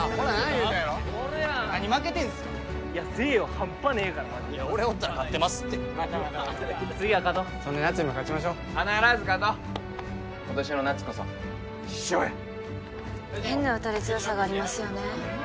言うたやろ何負けてんすかいや星葉半端ねえからいや俺おったら勝ってますってまたまたまた次は勝とうそんなやつにも勝ちましょう必ず勝とう今年の夏こそ１勝や変な打たれ強さがありますよね